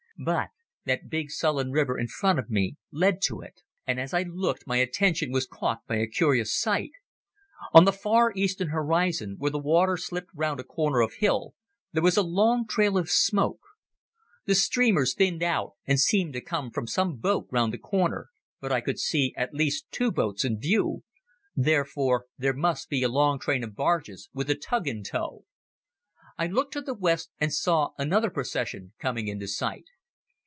But that big sullen river in front of me led to it. And as I looked my attention was caught by a curious sight. On the far eastern horizon, where the water slipped round a corner of hill, there was a long trail of smoke. The streamers thinned out, and seemed to come from some boat well round the corner, but I could see at least two boats in view. Therefore there must be a long train of barges, with a tug in tow. I looked to the west and saw another such procession coming into sight.